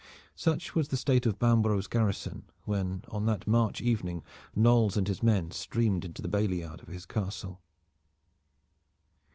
Such was the state of Bambro's garrison when on that March evening Knolles and his men streamed into the bailey yard of his Castle.